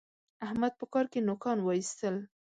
احمد په کار کې نوکان واېستل.